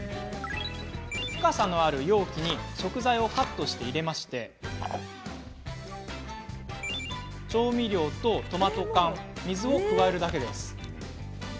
深さのある容器に食材をカットして入れ調味料とトマト缶水を加えるだけ。